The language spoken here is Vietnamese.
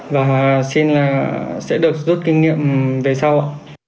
và xin là sẽ được rút kinh nghiệm về sau ạ